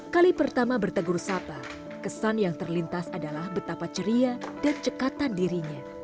kali pertama bertegur sapa kesan yang terlintas adalah betapa ceria dan cekatan dirinya